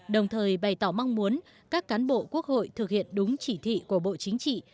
đồng thời bày tỏ mong muốn các cán bộ quốc hội thực hiện đúng chỉ thị của bộ chính trị